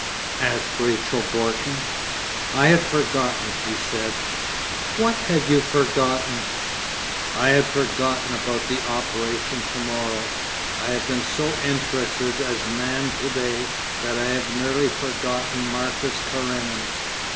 asked Rachel Borken. 'I had forgotten,' he said. 'What had you forgotten?' 'I had forgotten about the operation to morrow. I have been so interested as Man to day that I have nearly forgotten Marcus Karenin.